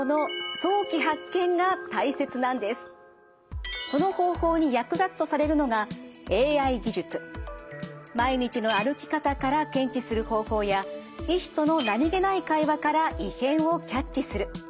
その方法に役立つとされるのが毎日の歩き方から検知する方法や医師との何気ない会話から異変をキャッチする。